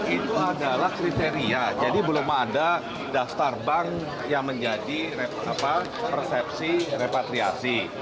itu adalah kriteria jadi belum ada daftar bank yang menjadi persepsi repatriasi